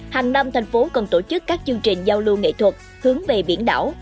hàng năm thành phố còn tổ chức các chương trình giao lưu nghệ thuật hướng về biển đảo